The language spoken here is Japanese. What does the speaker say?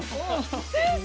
先生！